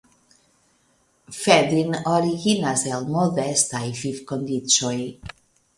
Fedin originas el modestaj vivkondiĉoj.